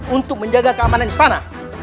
untuk menjaga keamanan istana